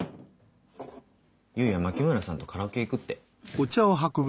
裕也牧村さんとカラオケ行くって。